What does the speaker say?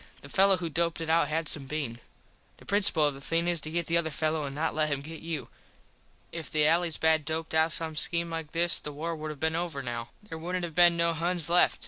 The fello who doped it out had some bean. The principul of the thing is to get the other fello an not let him get you. If the allys bad doped out some skeme like this the war would have been over now. There wouldnt have been no Huns left.